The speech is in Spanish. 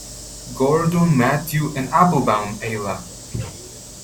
Gordon, Matthew and Applebaum, Ayla.